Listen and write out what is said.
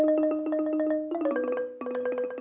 สวัสดีทุกคน